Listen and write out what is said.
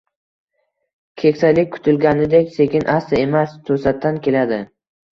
Keksalik kutilganidek sekin-asta emas, to’satdan keladi.